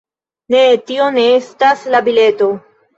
Ne, tio ne estas la bileto